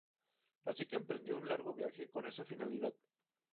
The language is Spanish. Así que emprendió un largo viaje con esa finalidad.